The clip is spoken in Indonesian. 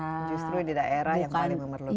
justru di daerah yang paling memerlukan